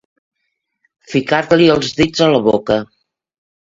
Ficar-li els dits a la boca.